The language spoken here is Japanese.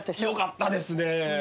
よかったですね